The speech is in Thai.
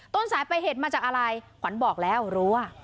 ต้นสายไปเหตุมาจากอะไรขวัญบอกแล้วรู้ว่า